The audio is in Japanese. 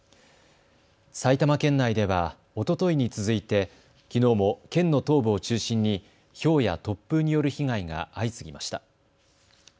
埼玉県内ではおとといに続いてきのうも県の東部を中心にひょうや突風による被害が相次ぎました。